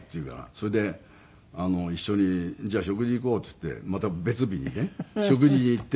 それで「一緒にじゃあ食事行こう」って言ってまた別日にね食事に行って。